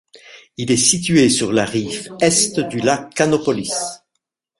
Il est situé sur la rive est du lac Kanopolis.